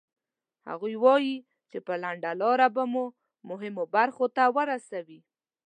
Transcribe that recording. هغوی وایي چې په لنډه لاره به مو مهمو برخو ته ورسوي.